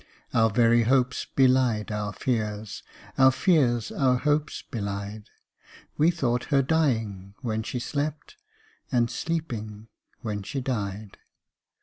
Our very hopes belied our fears, Our fears our hopes belied We thought her dying when she slept, And sleeping when she died.